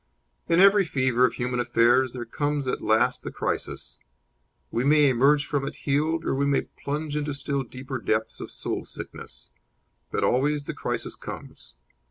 In every fever of human affairs there comes at last the crisis. We may emerge from it healed or we may plunge into still deeper depths of soul sickness; but always the crisis comes.